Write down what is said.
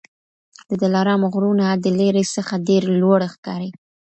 د دلارام غرونه د لیري څخه ډېر لوړ ښکاري